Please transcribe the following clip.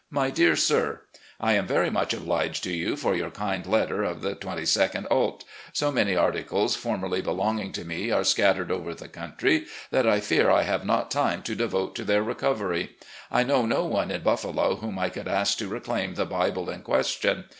" My Dear Sir; I am very much obliged to you for your kind letter of the 2 2d ult. So many articles formerly be longing to me are scattered over the country that I fear I have not time to devote to their recovery. I know no one in Buffalo whom I could ask to reclaim the Bible in question.